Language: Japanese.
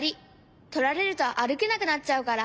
とられるとあるけなくなっちゃうから。